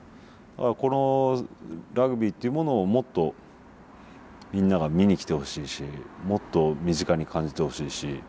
このラグビーというものをもっとみんなが見に来てほしいしもっと身近に感じてほしいし。